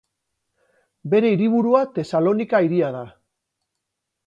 Bere hiriburua Tesalonika hiria da.